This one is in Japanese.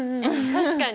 確かに。